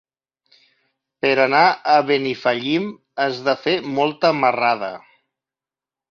Per anar a Benifallim has de fer molta marrada.